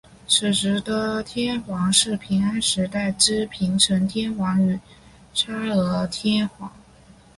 此时的天皇是平安时代之平城天皇与嵯峨天皇。